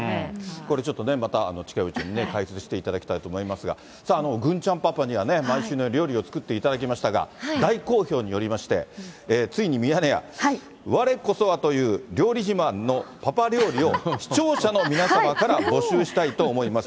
これ、ちょっとね、また近いうちに解説していただきたいと思いますが、さあ、郡ちゃんパパにはね、毎週のように料理を作っていただきましたが、大好評によりまして、ついにミヤネ屋、われこそはという料理自慢のパパ料理を、視聴者の皆様から募集したいと思います。